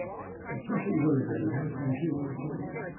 "I am perfectly well again now, thank you," I replied.